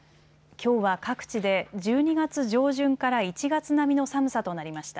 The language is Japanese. きょうは各地で１２月上旬から１月並みの寒さとなりました。